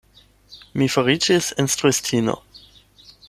Mi fariĝis instruistino.